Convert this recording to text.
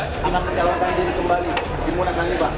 kita akan menjalankan diri kembali di munas nanti pak